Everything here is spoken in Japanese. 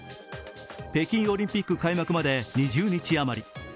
北京オリンピック開幕まで２０日余り。